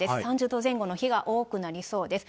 ３０度前後の日が多くなりそうです。